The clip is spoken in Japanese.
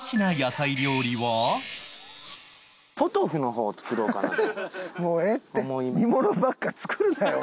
ポトフの方を作ろうかなと。